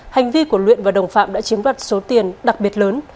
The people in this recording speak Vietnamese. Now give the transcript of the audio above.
hành vi của luyện và đồng phạm đã chiếm đoạt số tiền đặc biệt lớn